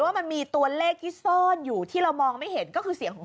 ว่ามันมีตัวเลขที่ซ่อนอยู่ที่เรามองไม่เห็นก็คือเสียงของ